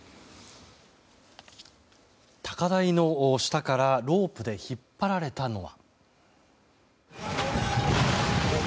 高台の下からロープで引っ張られたのは。